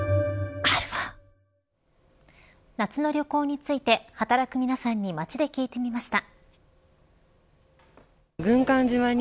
夏の旅行について働く皆さんに街で聞いてみました。